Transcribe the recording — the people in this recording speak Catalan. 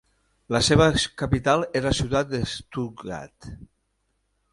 La seva capital és la ciutat de Stuttgart.